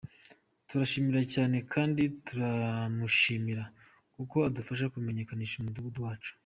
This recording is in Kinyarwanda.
Turabyishimira cyane kandi turamushimira kuko adufasha kumenyekanisha umudugudu wacu.